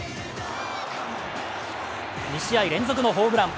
２試合連続のホームラン。